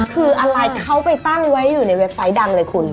คืออะไรเขาไปตั้งไว้อยู่ในเว็บไซต์ดังเลยคุณ